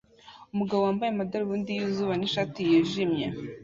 Umugabo yambaye amadarubindi yizuba nishati yijimye